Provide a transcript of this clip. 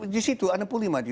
di situ ada puluh lima